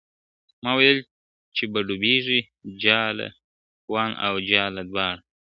ما ویل چي به ډوبيږي جاله وان او جاله دواړه `